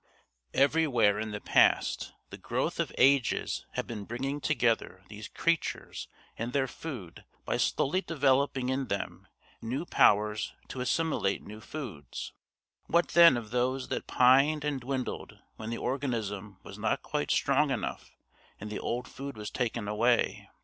Everywhere in the past the growth of ages had been bringing together these creatures and their food by slowly developing in them new powers to assimilate new foods. What then of those that pined and dwindled when the organism was not quite strong enough and the old food was taken away?